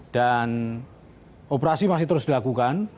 dan operasi masih terus dilakukan